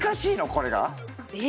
これが？え